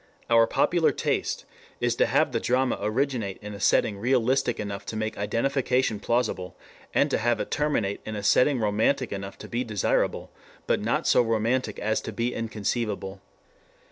Our popular taste is to have the drama originate in a setting realistic enough to make identification plausible and to have it terminate in a setting romantic enough to be desirable, but not so romantic as to be inconceivable.